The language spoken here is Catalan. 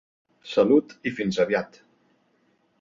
Salut i fins aviat!